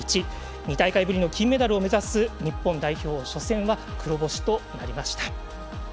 ２大会ぶりの金メダルを目指す日本代表初戦は黒星となりました。